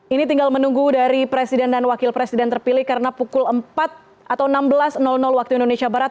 ini tinggal menunggu dari presiden dan wakil presiden terpilih karena pukul empat atau enam belas waktu indonesia barat